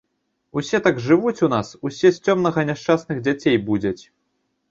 Усе так жывуць у нас, усе з цёмнага няшчасных дзяцей будзяць.